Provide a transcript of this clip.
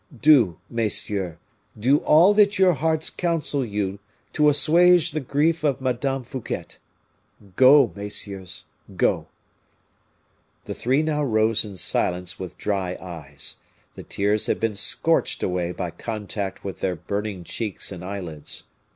Do, messieurs, do all that your hearts counsel you to assuage the grief of Madame Fouquet. Go, messieurs go!" The three now rose in silence with dry eyes. The tears had been scorched away by contact with their burning cheeks and eyelids.